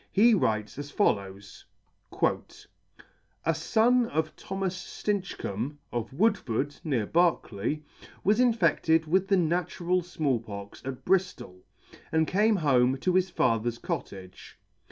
He writes as follows t " A fon [ i6g ]" A fon of Thomas Stinchcomb, of Woodford, near Berkeley, was infedled with the natural Small Pox at Briftol, and came home to his father's cottage.